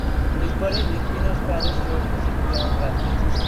He is buried in Pinner's parish church of Saint John the Baptist.